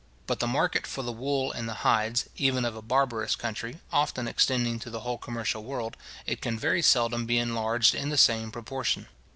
But the market for the wool and the hides, even of a barbarous country, often extending to the whole commercial world, it can very seldom be enlarged in the same proportion.